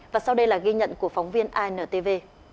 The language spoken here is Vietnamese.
và sau đây là ghi nhận của phóng viên intv